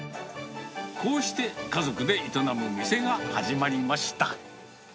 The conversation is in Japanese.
こうして家族で営む店が始まりました。